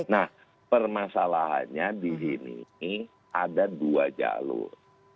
nah permasalahannya di sini ada dua jalur